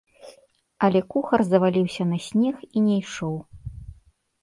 Але кухар заваліўся на снег і не ішоў.